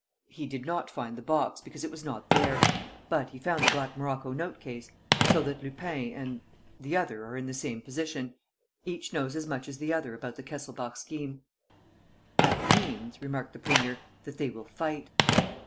"He did not find the box, because it was not there; but he found the black morocco note case. So that Lupin and ... the other are in the same position. Each knows as much as the other about the Kesselbach scheme." "That means," remarked the premier, "that they will fight."